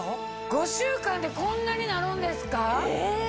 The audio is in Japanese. ５週間でこんなになるんですか！